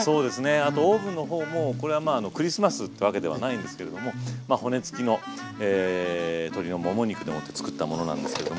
あとオーブンの方もこれはまあクリスマスってわけではないんですけれどもまあ骨付きの鶏のもも肉でもって作ったものなんですけども。